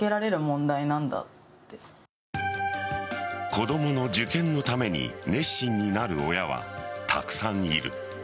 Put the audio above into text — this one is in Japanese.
子供の受験のために熱心になる親はたくさんいる。